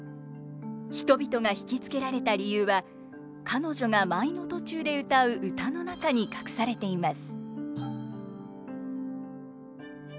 人々が引き付けられた理由は彼女が舞の途中で歌う歌の中に隠されています。